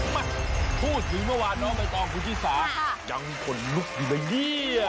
มาพูดถึงเมื่อวานน้องใบตองคุณชิสายังขนลุกอยู่ไหมเนี่ย